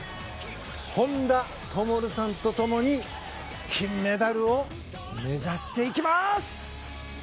本多灯さんと共に金メダルを目指していきます！